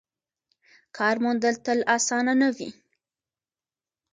کار موندل تل اسانه نه وي.